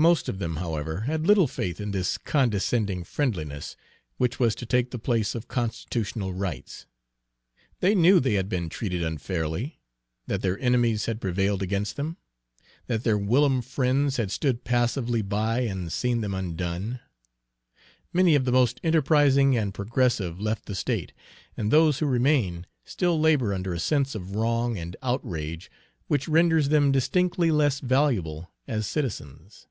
Most of them, however, had little faith in this condescending friendliness which was to take the place of constitutional rights. They knew they had been treated unfairly; that their enemies had prevailed against them; that their whilom friends had stood passively by and seen them undone. Many of the most enterprising and progressive left the state, and those who remain still labor under a sense of wrong and outrage which renders them distinctly less valuable as citizens.